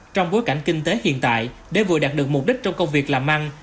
trong bối cảnh kinh tế hiện tại để vừa đạt được mục đích trong công việc làm ăn